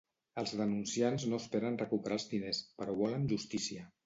Els denunciants no esperen recuperar els diners, però volen justícia.